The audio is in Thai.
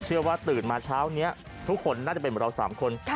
เรื่องเชื้อว่าตื่นมาเช้านี้ทุกคนน่าจะเป็นเหมือนเรา๓คน